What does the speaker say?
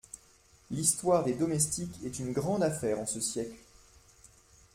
L'histoire des domestiques est une grande affaire en ce siècle.